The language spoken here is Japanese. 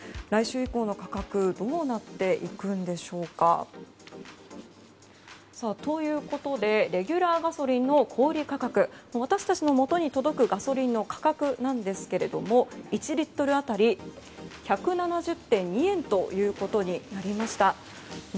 来週以降の価格どうなっていくんでしょうか。ということでレギュラーガソリンの小売価格私たちのもとに届くガソリンの価格ですが１リットル当たり１７０．２円ということになりました。